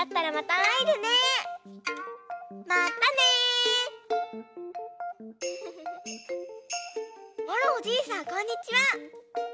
あらおじいさんこんにちは！